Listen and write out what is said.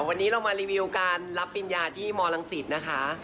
วันนี้เรามารีวิวการรับปริญญาที่มรังสิตนะคะ